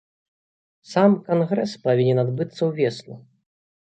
Сам кангрэс павінен адбыцца ўвесну.